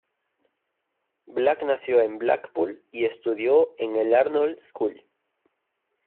Ball nació en Blackpool y estudió en el Arnold School.